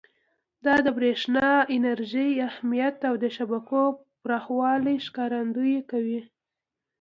دا د برېښنا انرژۍ اهمیت او د شبکو پراخوالي ښکارندویي کوي.